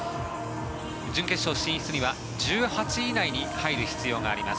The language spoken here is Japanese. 準決勝進出には１８位以内に入る必要があります。